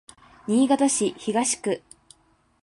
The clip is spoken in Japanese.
新潟市東区